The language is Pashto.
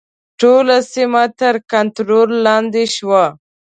ټوله سیمه تر کنټرول لاندې شوه.